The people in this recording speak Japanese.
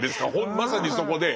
まさにそこで。